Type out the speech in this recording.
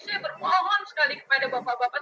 saya bermohon sekali kepada bapak bapak